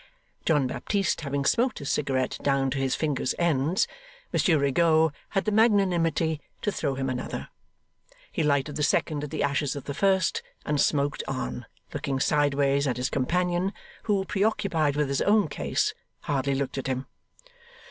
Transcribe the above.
John Baptist having smoked his cigarette down to his fingers' ends, Monsieur Rigaud had the magnanimity to throw him another. He lighted the second at the ashes of the first, and smoked on, looking sideways at his companion, who, preoccupied with his own case, hardly looked at him.